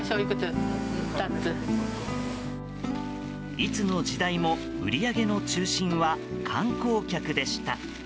いつの時代も売り上げの中心は観光客でした。